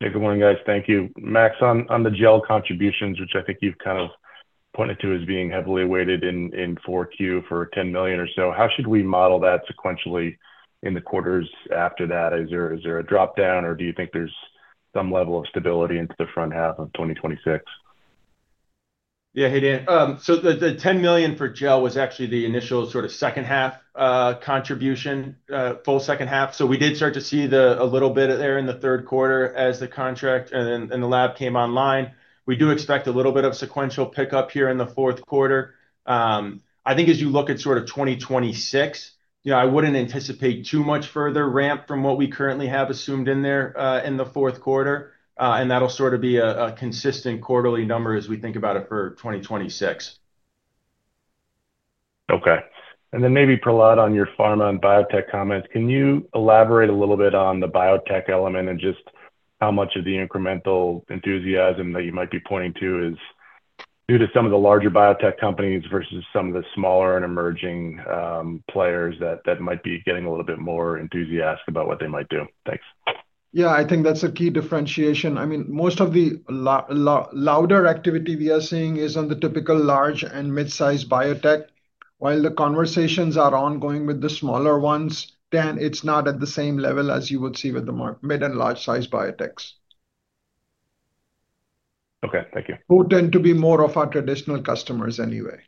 [SPEAKER 12] Good morning, guys. Thank you. Max, on the gel contributions, which I think you've kind of pointed to as being heavily weighted in Q4 for $10 million or so, how should we model that sequentially in the quarters after that? Is there a dropdown? Or do you think there's some level of stability into the front half of 2026?
[SPEAKER 4] Yeah. Hey, Dan. The $10 million for gel was actually the initial sort of second half contribution, full second half. We did start to see a little bit there in the third quarter as the contract and the lab came online. We do expect a little bit of sequential pickup here in the fourth quarter. I think as you look at sort of 2026, you know I wouldn't anticipate too much further ramp from what we currently have assumed in there in the fourth quarter. That'll sort of be a consistent quarterly number as we think about it for 2026.
[SPEAKER 12] OK. Maybe, Prahlad, on your pharma and biotech comments, can you elaborate a little bit on the biotech element and just how much of the incremental enthusiasm that you might be pointing to is due to some of the larger biotech companies versus some of the smaller and emerging players that might be getting a little bit more enthusiastic about what they might do? Thanks.
[SPEAKER 3] Yeah, I think that's a key differentiation. I mean, most of the louder activity we are seeing is on the typical large and mid-sized biotech. While the conversations are ongoing with the smaller ones, Dan, it's not at the same level as you would see with the mid and large-sized biotechs.
[SPEAKER 12] Okay, thank you.
[SPEAKER 3] Who tend to be more of our traditional customers anyway.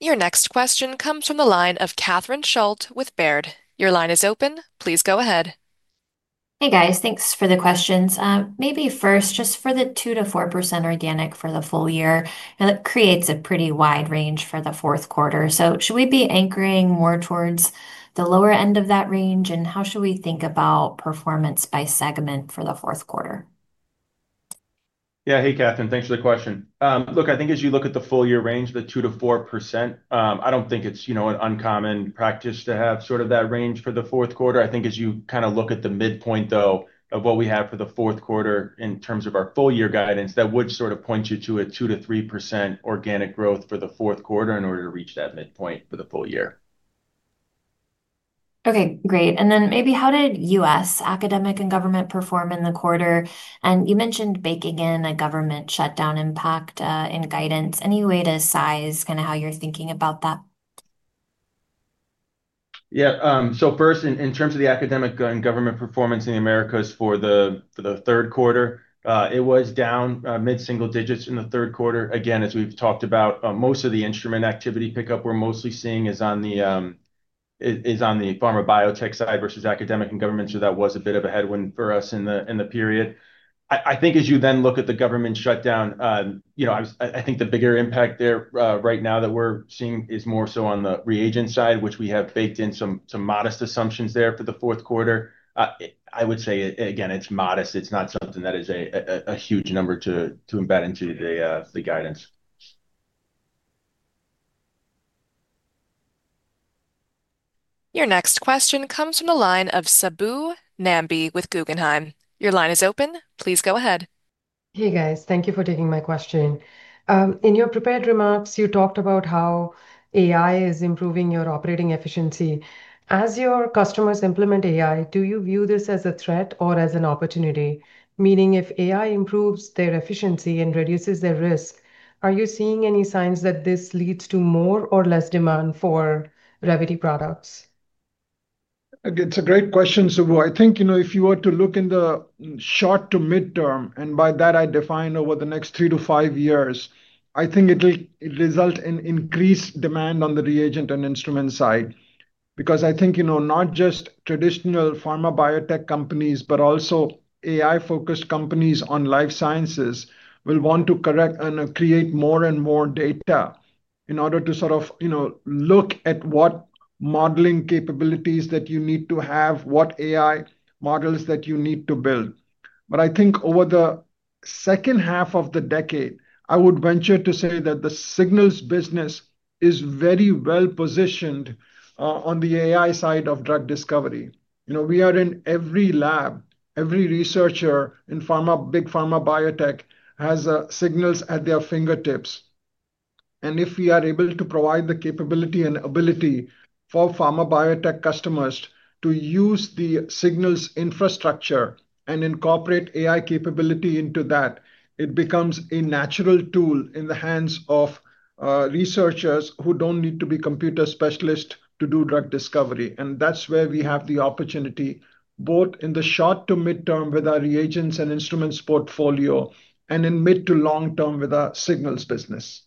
[SPEAKER 1] Your next question comes from the line of Catherine Schulte with Baird. Your line is open. Please go ahead.
[SPEAKER 13] Hey, guys. Thanks for the questions. Maybe first, just for the 2%-4% organic for the full year, it creates a pretty wide range for the fourth quarter. Should we be anchoring more towards the lower end of that range? How should we think about performance by segment for the fourth quarter?
[SPEAKER 4] Yeah. Hey, Catherine. Thanks for the question. Look, I think as you look at the full-year range, the 2%-4%, I don't think it's an uncommon practice to have sort of that range for the fourth quarter. I think as you kind of look at the midpoint, though, of what we have for the fourth quarter in terms of our full-year guidance, that would sort of point you to a 2%-3% organic growth for the fourth quarter in order to reach that midpoint for the full year.
[SPEAKER 13] Okay. Great. Maybe how did U.S. academic and government perform in the quarter? You mentioned baking in a government shutdown impact in guidance. Any way to size kind of how you're thinking about that?
[SPEAKER 4] Yeah. First, in terms of the academic and government performance in the Americas for the third quarter, it was down mid-single digits in the third quarter. As we've talked about, most of the instrument activity pickup we're mostly seeing is on the pharma biotech side versus academic and government. That was a bit of a headwind for us in the period. I think as you then look at the government shutdown, I think the bigger impact there right now that we're seeing is more so on the reagent side, which we have baked in some modest assumptions there for the fourth quarter. I would say, again, it's modest. It's not something that is a huge number to embed into the guidance.
[SPEAKER 1] Your next question comes from the line of Sabu Nambi with Guggenheim. Your line is open. Please go ahead.
[SPEAKER 14] Hey, guys. Thank you for taking my question. In your prepared remarks, you talked about how AI is improving your operating efficiency. As your customers implement AI, do you view this as a threat or as an opportunity? Meaning, if AI improves their efficiency and reduces their risk, are you seeing any signs that this leads to more or less demand for Revvity products?
[SPEAKER 3] It's a great question, Sabu. I think if you were to look in the short to mid-term, and by that I define over the next three to five years, I think it'll result in increased demand on the reagent and instrument side. I think not just traditional pharma biotech companies, but also AI-focused companies on life sciences will want to correct and create more and more data in order to look at what modeling capabilities that you need to have, what AI models that you need to build. Over the second half of the decade, I would venture to say that the Signals business is very well positioned on the AI side of drug discovery. We are in every lab. Every researcher in big pharma biotech has Signals at their fingertips. If we are able to provide the capability and ability for pharma biotech customers to use the Signals infrastructure and incorporate AI capability into that, it becomes a natural tool in the hands of researchers who don't need to be computer specialists to do drug discovery. That's where we have the opportunity, both in the short to mid-term with our reagents and instruments portfolio and in mid to long term with our Signals business.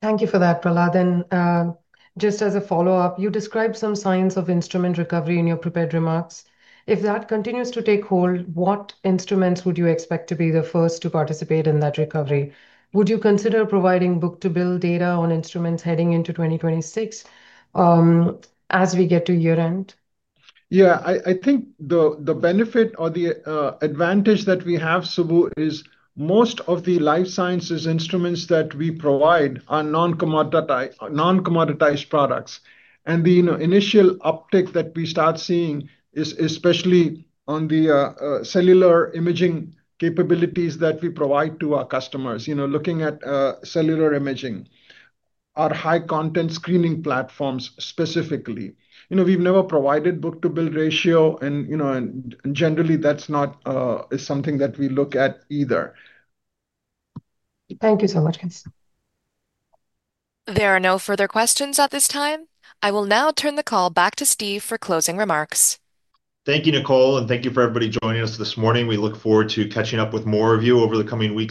[SPEAKER 14] Thank you for that, Prahlad. Just as a follow-up, you described some signs of instrument recovery in your prepared remarks. If that continues to take hold, what instruments would you expect to be the first to participate in that recovery? Would you consider providing book-to-build data on instruments heading into 2026 as we get to year end?
[SPEAKER 3] Yeah. I think the benefit or the advantage that we have, Sabu, is most of the life sciences instruments that we provide are non-commoditized products. The initial uptick that we start seeing is especially on the cellular imaging capabilities that we provide to our customers. You know, looking at cellular imaging, our high-content screening platforms specifically. You know, we've never provided book-to-build ratio. Generally, that's not something that we look at either.
[SPEAKER 14] Thank you so much, guys.
[SPEAKER 1] There are no further questions at this time. I will now turn the call back to Steve for closing remarks.
[SPEAKER 2] Thank you, Nicole. Thank you for everybody joining us this morning. We look forward to catching up with more of you over the coming weeks.